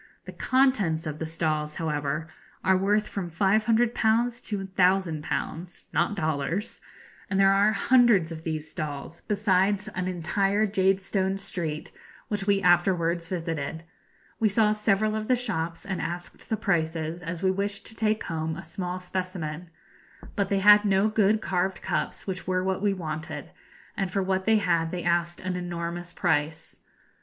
The contents of the stalls, however, are worth from 500_l_. to l,000_l_. (not dollars), and there are hundreds of these stalls, besides an entire jadestone street which we afterwards visited. We saw several of the shops, and asked the prices, as we wished to take home a small specimen; but they had no good carved cups, which were what we wanted, and for what they had they asked an enormous price.